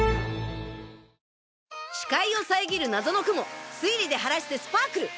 視界を遮る謎の雲推理で晴らしてスパークル！